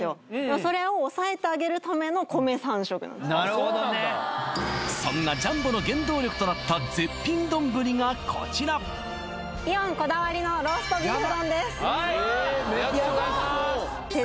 なるほどねそんなジャンボの原動力となった絶品どんぶりがこちらイオンこだわりのローストビーフ丼です・えーおいしそう手